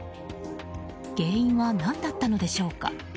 原因は何だったのでしょうか。